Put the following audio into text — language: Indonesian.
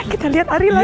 kita liat ari lagi